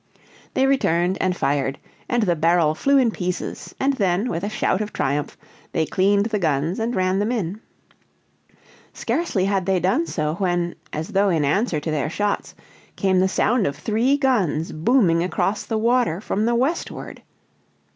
They returned and fired, and the barrel flew in pieces, and then, with a shout of triumph, they cleaned the guns and ran them in. Scarcely had they done so when, as though in answer to their shots, came the sound of three guns booming across the water from the westward.